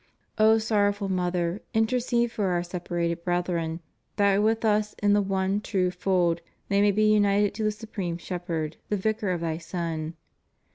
O sorrowful Mother! intercede for our separated brethren, that with us in the one true fold they may be united to the supreme Shepherd, the Vicar of thy Son.